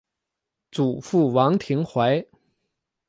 祖父王庭槐。